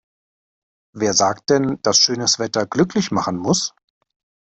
Wer sagt denn, dass schönes Wetter glücklich machen muss?